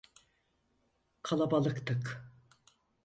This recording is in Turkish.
Kalabalıktık.